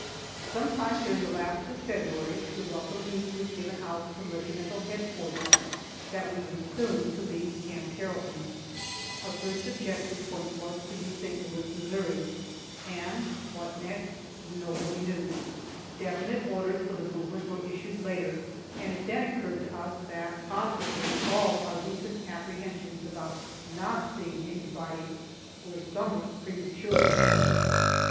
Sometime during the last of February, the welcome news was given out from regimental headquarters that we were soon to leave Camp Carrollton. Our first objective point was to be St. Louis, Mo., and what next nobody knew. Definite orders for the movement were issued later, and it then occurred to us that possibly all our recent apprehensions about not seeing any fighting were somewhat premature.